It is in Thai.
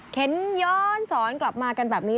ย้อนสอนกลับมากันแบบนี้